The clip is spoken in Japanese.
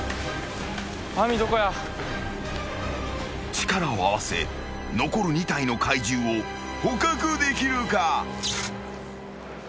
［力を合わせ残る２体の怪獣を捕獲できるか？］